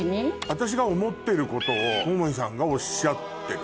私が思ってることを桃井さんがおっしゃってる。